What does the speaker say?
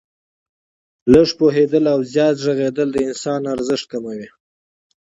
لږ پوهېدل او زیات ږغېدل د انسان ارزښت کموي.